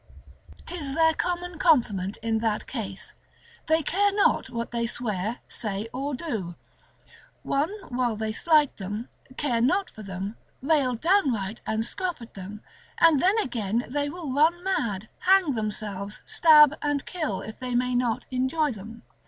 'Tis their common compliment in that case, they care not what they swear, say or do: One while they slight them, care not for them, rail downright and scoff at them, and then again they will run mad, hang themselves, stab and kill, if they may not enjoy them.